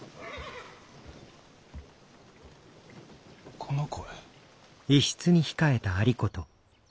この声。